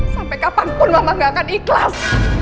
sampai kapanpun mama gak akan ikhlas